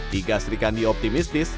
tiga serikandi optimis